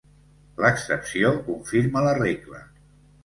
L'excepció confirma la regla.